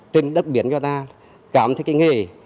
trên đất biển cho ta cảm thấy cái nghề